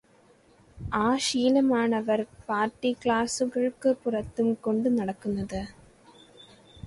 ആ ശീലമാണവർ പാർടി ക്ലാസുകൾക്ക് പുറത്തും കൊണ്ടു നടക്കുന്നത്.